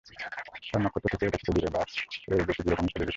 তার নক্ষত্র থেকে এটা কতটুকু দূরে, বা এর গতি কীরকম ইত্যাদি বিষয়।